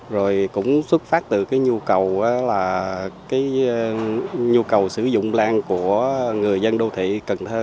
rồi cũng xuất phát từ cái nhu cầu là cái nhu cầu sử dụng lan của người dân đô thị cần thơ